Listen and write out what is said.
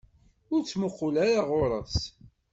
Ur ttmuqul ara ɣur-s!